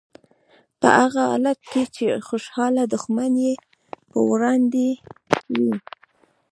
په هغه حالت کې چې خوشحاله دښمن یې په وړاندې وي.